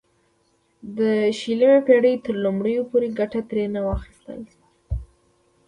د شلمې پېړۍ تر لومړیو پورې ګټه ترې نه وه اخیستل شوې.